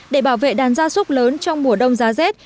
để bảo vệ đàn ra súc lớn trong mùa đông giá rết